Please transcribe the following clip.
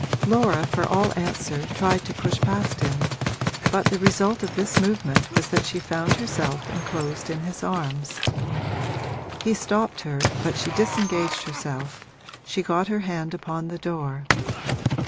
Laura, for all answer, tried to push past him, but the result of this movement was that she found herself enclosed in his arms. He stopped her, but she disengaged herself, she got her hand upon the door.